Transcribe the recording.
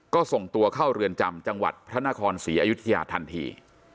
ก็ส่งตัวเข้าเรือนจำจังหวัดพระนครศรีอยุธยาทันที